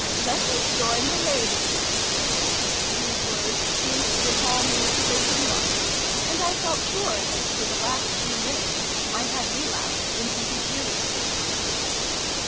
" Let us join the ladies !" These words seemed to recall me to waking life ; and I felt sure that, for the last few minutes, I had relapsed into the ' eerie ' state.